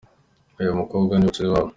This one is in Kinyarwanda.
Uyu mukobwa ni bucura iwabo.